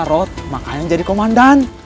rot makanya jadi komandan